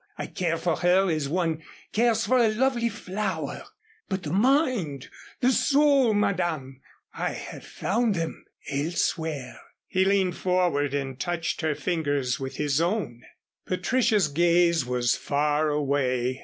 I care for her as one cares for a lovely flower but the mind the soul, Madame, I have found them elsewhere," he leaned forward and touched her fingers with his own. Patricia's gaze was far away.